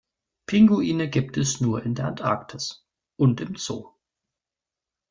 Pinguine gibt es nur in der Antarktis und im Zoo.